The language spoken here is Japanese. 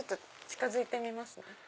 近づいてみますね。